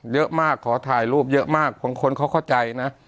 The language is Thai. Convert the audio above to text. เยอะมากขอถ่ายรูปเยอะมากคนเขาเข้าใจนะ